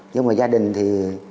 nhưng mà gia đình thì